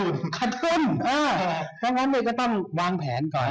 ขนทุนขนทุนเออดูนั่นนะครับก็ต้องวางแผนก่อน